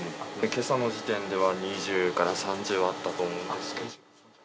けさの時点では、２０から３０はあったと思うんですけど。